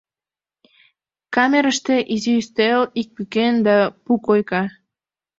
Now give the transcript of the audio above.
Камерыште изи ӱстел, ик пӱкен да пу койка.